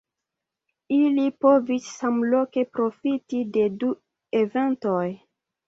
Ili povis samloke profiti de du eventoj.